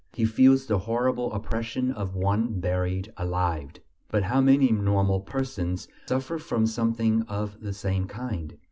He feels the horrible oppression of one buried alive. But how many normal persons suffer from something of the same kind!